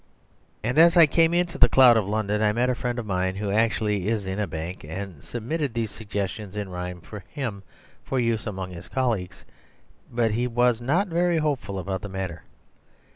..... And as I came into the cloud of London I met a friend of mine who actually is in a bank, and submitted these suggestions in rhyme to him for use among his colleagues. But he was not very hopeful about the matter.